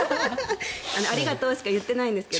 ありがとうしか言ってないんですけど。